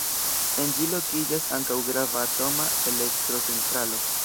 En ĝi lokiĝas ankaŭ grava atoma elektrocentralo.